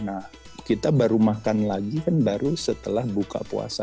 nah kita baru makan lagi kan baru setelah buka puasa